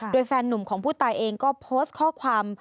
โดยแฟนนุ่มของผู้ตายเองก็โพสต์ข้อความ